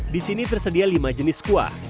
di sini tersedia lima jenis kuah